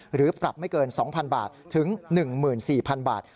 หรือปรับไม่เกิน๒๐๐๐บาทถึง๑๔๐๐๐บาท